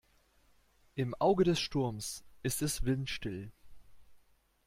Im Auge des Sturms ist es windstill.